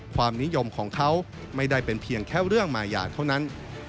ความนิยมของเขาไม่ได้เป็นเพียงแค่เรื่องมายาเท่านั้น